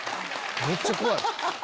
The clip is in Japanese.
めっちゃ怖い！